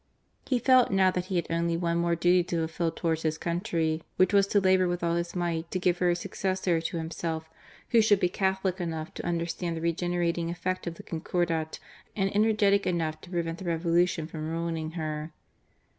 He felt now that he had only one more duty to fulfil towards his country, which was, to labour with all his might to give her a successor to himself who should be Catholic enough to understand the regenerating effect of the Concordat, and energetic enough to prevent the Revolution from ruining her.